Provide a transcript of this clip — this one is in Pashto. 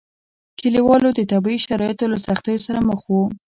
کلیوالو د طبیعي شرایطو له سختیو سره مخ وو.